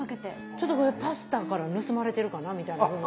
ちょっとこれパスタから盗まれてるかなみたいな部分が。